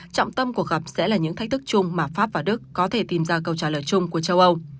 trọng tâm cuộc gặp sẽ là những thách thức chung mà pháp và đức có thể tìm ra câu trả lời chung của châu âu